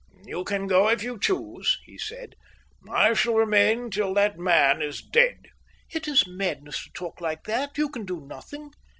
"You can go if you choose," he said. "I shall remain till that man is dead." "It is madness to talk like that. You can do nothing.